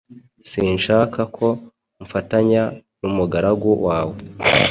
sinshaka ko umfatanya n’umugaragu wawe.